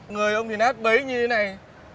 người ông diệu nát bấy như thế này